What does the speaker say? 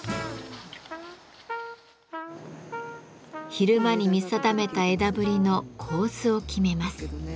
昼間に見定めた枝ぶりの構図を決めます。